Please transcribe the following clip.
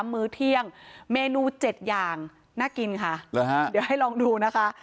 มื้อเที่ยงเมนู๗อย่างน่ากินค่ะเดี๋ยวให้ลองดูนะคะ